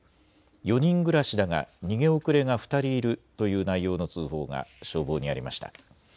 ４人暮らしだが逃げ遅れが２人いるという内容の通報が消防にありました。